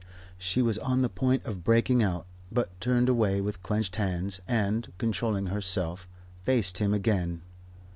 She was on the point of breaking out, but turned away, with clenched hands, and, controlling herself, faced him again.